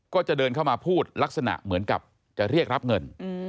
ก็จะเดินเข้ามาพูดลักษณะเหมือนกับจะเรียกรับเงิน